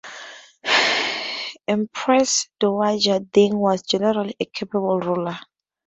Empress Dowager Deng was generally a capable ruler.